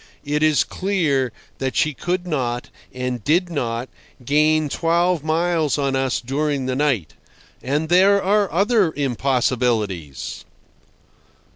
It is clear that she could not, and did not, gain twelve miles on us during the night. And there are other impossibilities.